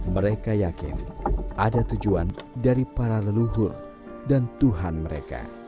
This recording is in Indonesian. mereka yakin ada tujuan dari para leluhur dan tuhan mereka